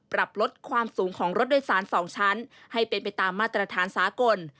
ปรับลดความสูงของรถโดยสาร๒ชั้นให้เป็นไปตามมาตรฐานสากล